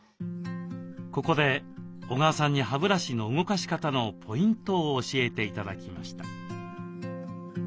ここで小川さんに歯ブラシの動かし方のポイントを教えて頂きました。